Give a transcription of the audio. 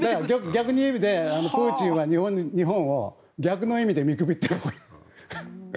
逆の意味でプーチンは日本を逆の意味で見くびっている。